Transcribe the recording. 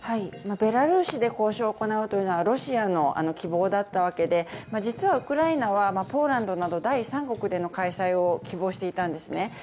ベラルーシで交渉を行うというのはロシアの希望だったわけで実はウクライナはポーランドなど第三国での開催を希望していたんですね。